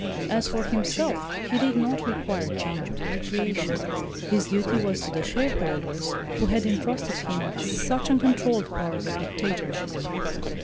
As for himself, he did not require change or recreation, his duty was to the shareholders, who had entrusted him with such uncontrolled powers of dictatorship.